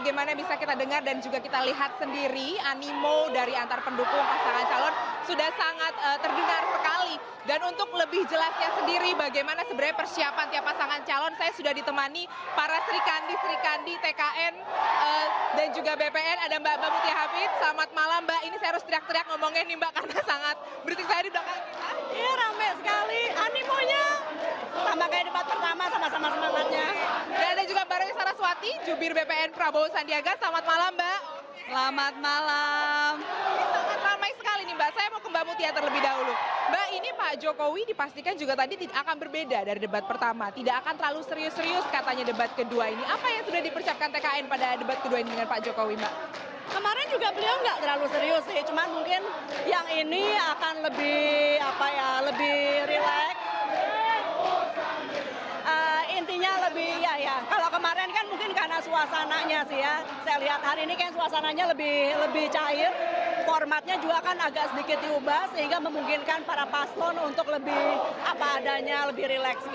iya kalau kemarin kan mungkin karena suasananya sih ya saya lihat hari ini kan suasananya lebih cair formatnya juga kan agak sedikit diubah sehingga memungkinkan para paslon untuk lebih apa adanya lebih relax gitu